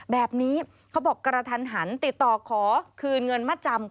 แบบนี้เขาบอกกระทันหันติดต่อขอคืนเงินมาจำ